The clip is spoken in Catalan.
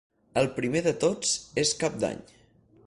El primer de tots és Cap d'Any.